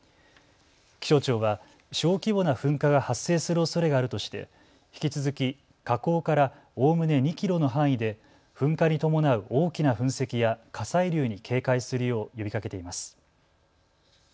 気象庁は小規模な噴火が発生するおそれがあるとして引き続き火口からおおむね２キロの範囲で噴火に伴う大きな噴石や火砕流に警戒するよう呼びかけています。